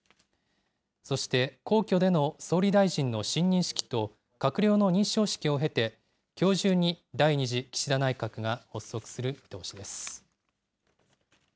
そして皇居での総理大臣の親任式と閣僚の認証式を経て、きょう中に第２次岸田内閣が発足する見通しです。